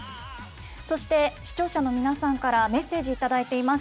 そして、視聴者の皆さんからメッセージ頂いています。